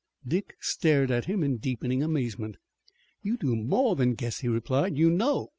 Dick stared at him in deepening amazement. "You do more than guess," he replied. "You know.